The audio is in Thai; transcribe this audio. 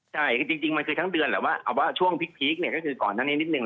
ใช่คือจริงมันคือทั้งเดือนแหละว่าเอาว่าช่วงพีคเนี่ยก็คือก่อนหน้านี้นิดนึง